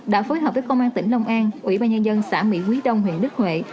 đã phối hợp với công an tỉnh long an ủy ban nhân dân xã mỹ quý đông huyện đức huệ